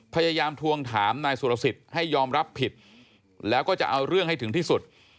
พยายามทวงถามนายสุรสิทธิ์ให้ยอมรับผิดแล้วก็จะเอาเรื่องให้ถึงที่สุด